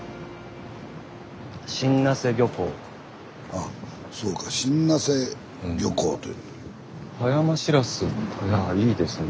あそうか真名瀬漁港という。